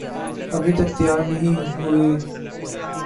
ابھی تک تیار نہیں ہوئیں؟